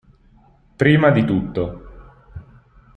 Prima di tutto.